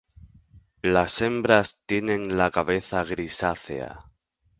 Las hembras tienen la cabeza grisácea.